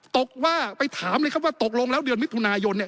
กว่าไปถามเลยครับว่าตกลงแล้วเดือนมิถุนายนเนี่ย